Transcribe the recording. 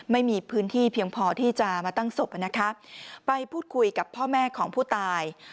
ไม่มีพื้นที่เพียงพอที่จะมาตั้งศพนะคะไปพูดคุยกับพ่อแม่ของผู้ตาย